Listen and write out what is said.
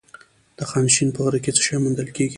د خانشین په غره کې څه شی موندل کیږي؟